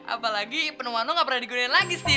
apalagi penuh penuh gak pernah digunain lagi sih